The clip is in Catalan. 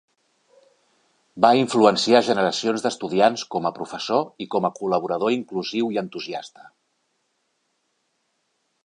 Va influenciar generacions d'estudiants com a professor i com a col·laborador inclusiu i entusiasta.